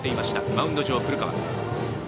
マウンド上の古川。